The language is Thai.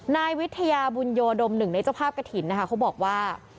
นายวิทยาบุญโยดมหนึ่งในเจ้าภาพกระถิ่นนะคะเขาบอกว่า